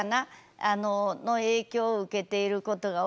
の影響を受けていることが多いので。